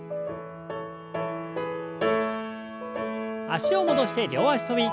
脚を戻して両脚跳び。